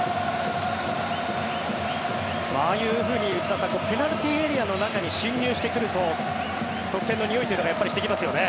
ああいうふうに内田さんペナルティーエリアの中に進入してくると得点のにおいというのがしてきますよね。